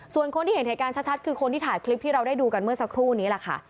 ส่วนคนที่เห็นเหตุการณ์ชัดคือคนที่ถ่ายคลิปที่เราได้ดูกันเมื่อสักครู่นี้แหละค่ะ